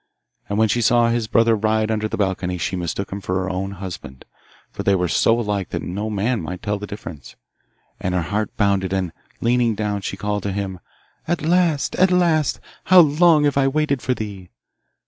And when she saw his brother ride under the balcony she mistook him for her own husband, for they were so alike that no man might tell the difference, and her heart bounded, and, leaning down, she called to him, 'At last! at last! how long have I waited for thee!